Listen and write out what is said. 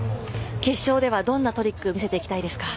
決勝ではどんなトリック見せていきたいですか？